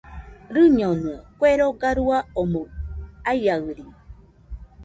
Rɨñonɨaɨ, kue roga rua omoɨ aiaɨri.